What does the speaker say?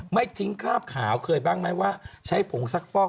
ไม่ทิ้งคราบขาวเคยบ้างไหมว่าใช้ผงซักฟอก